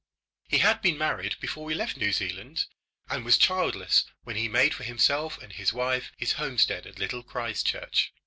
He had been married before we left New Zealand, and was childless when he made for himself and his wife his homestead at Little Christchurch.